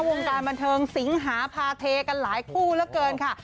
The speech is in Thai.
วงการบันเทิงสิงหาพาเทกันหลายคู่เหลือเกินค่ะ